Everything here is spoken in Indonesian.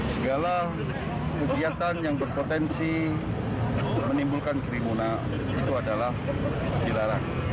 segala kegiatan yang berpotensi menimbulkan kerimunan itu adalah dilarang